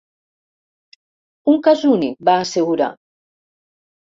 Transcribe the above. Un cas únic, va assegurar.